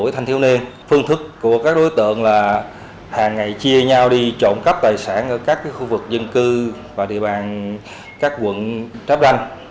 phương thức của các đối tượng là hàng ngày chia nhau đi trộm cắp tài sản ở các khu vực dân cư và địa bàn các quận tráp đanh